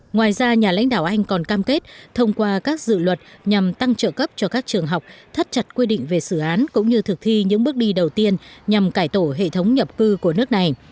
ngoài ra nhà lãnh đạo anh còn cam kết thông qua các dự luật nhằm tăng trợ cấp cho các trường học thắt chặt quy định về xử án cũng như thực thi những bước đi đầu tiên nhằm cải tổ hệ thống nhập cư của nước này